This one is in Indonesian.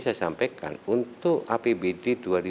saya sampaikan untuk apbd